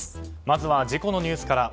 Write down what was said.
まずは事故のニュースから。